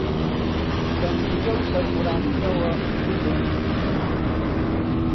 بە مینگە و سەرخوراندنەوە گوتم: